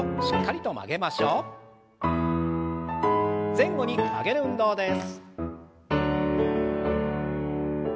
前後に曲げる運動です。